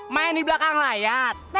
main di belakang layar